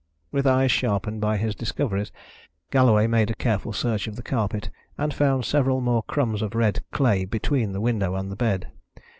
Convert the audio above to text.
With eyes sharpened by his discoveries, Galloway made a careful search of the carpet, and found several more crumbs of red clay between the window and the bed.